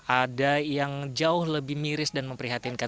ada yang jauh lebih miris dan memprihatinkan